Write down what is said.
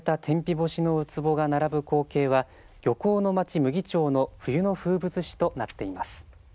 干しのウツボが並ぶ光景は漁港の町、牟岐町の冬の風物詩となっています。